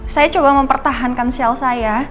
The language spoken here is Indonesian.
saya coba mempertahankan sel saya